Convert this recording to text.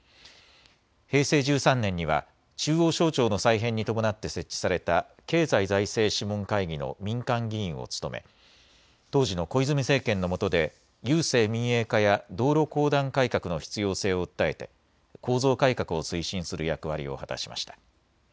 平成１３年には中央省庁の再編に伴って設置された経済財政諮問会議の民間議員を務め当時の小泉政権のもとで郵政民営化や道路公団改革の必要性を訴えて構造改革を推進する役割を果たしました。